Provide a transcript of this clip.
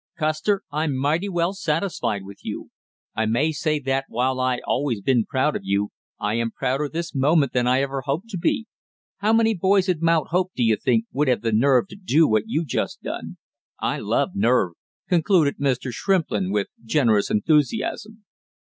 "Custer, I'm mighty well satisfied with you; I may say that while I always been proud of you, I am prouder this moment than I ever hoped to be! How many boys in Mount Hope, do you think, would have the nerve to do what you just done? I love nerve," concluded Mr. Shrimplin with generous enthusiasm.